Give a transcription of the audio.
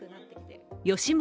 吉村